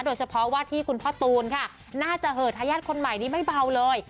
โดยเฉพาะว่าที่คุณพ่อตูนค่ะน่าจะเหอะทายาทคนใหม่นี้ไม่เบาเลย